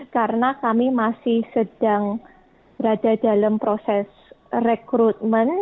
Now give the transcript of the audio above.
karena kami masih sedang berada dalam proses rekrutmen